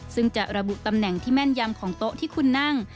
ซึ่งจะระบุตำแหน่งที่แม่นยำของโต๊ะที่คุณนั่ง